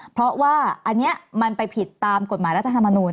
เพราะว่าอันนี้มันไปผิดตามกฎหมายรัฐธรรมนูล